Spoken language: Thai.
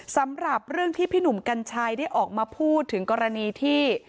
สำหรับเรื่องที่พี่หนุ่มกัญชัยได้ออกมาพูดถึงกรณีที่